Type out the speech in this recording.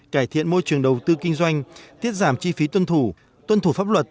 cải thiện môi trường đầu tư kinh doanh tiết giảm chi phí tuân thủ tuân thủ pháp luật